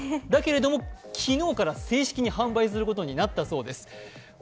だけれども、昨日から正式に販売することになったそうです。